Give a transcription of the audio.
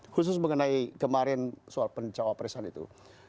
khusus mengenai kemarin soal pencawa perisan itu